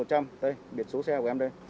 đây biệt số xe của em đây